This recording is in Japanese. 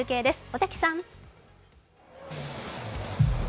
尾関さん。